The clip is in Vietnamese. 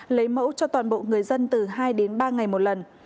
lấy mẫu cho toàn bộ người dân từ hai đến ba ngày một lần